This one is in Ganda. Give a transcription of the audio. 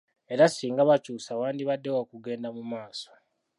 Era singa bakyusa wandibaddewo okugenda mumaaso.